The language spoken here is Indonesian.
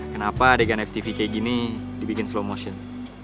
kenapa adegan ftv kayak gini dibikin slow motion